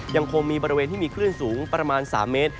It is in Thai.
ยังคงมีบริเวณที่มีคลื่นสูงประมาณ๓เมตร